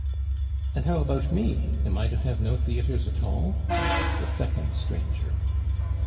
"And how about me? Am I to have no theatres at all?" asked the second stranger.